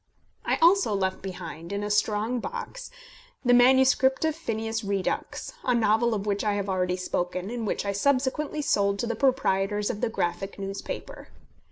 I also left behind, in a strong box, the manuscript of Phineas Redux, a novel of which I have already spoken, and which I subsequently sold to the proprietors of the Graphic newspaper.